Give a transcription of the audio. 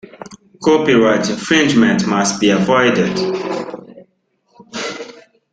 Copyright infringement must be avoided.